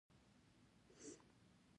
دوی د خپل وضعیت څخه بې خبره دي.